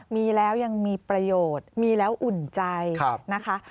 มีแล้วยังมีประโยชน์มีแล้วอุ่นใจนะคะ